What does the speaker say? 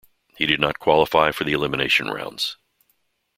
He did not qualify for the elimination rounds.